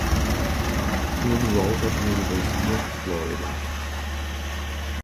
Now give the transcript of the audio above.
He enrolled at the University of Florida.